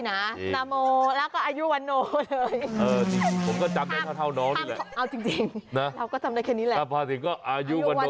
เฮ่ยพาสุดแล้วลูก